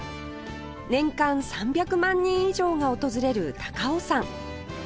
年間３００万人以上が訪れる高尾山